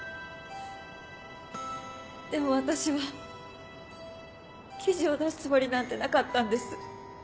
でも私は記事を出すつもりなんてなかったんです。